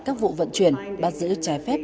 các vụ vận chuyển bắt giữ trái phép